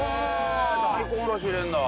大根おろし入れるんだ。